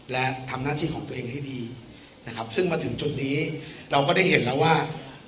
และทำหน้าที่ของตัวเองให้ดีนะครับซึ่งมาถึงจุดนี้เราก็ได้เห็นแล้วว่า